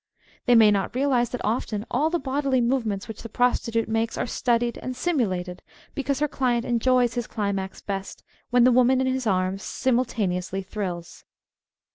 They may not realise that often all the bodily movements which the prostitute makes are studied and simulated because her client enjoys his climax best when the woman in his arms simultaneously thrills.